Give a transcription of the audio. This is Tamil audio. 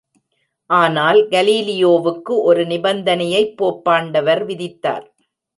ஆனால், கலீலியோவுக்கு ஒரு நிபந்தனையைப் போப்பாண்டவர் விதித்தார்.